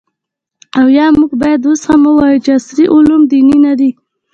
او آیا موږ باید اوس هم ووایو چې عصري علوم دیني نه دي؟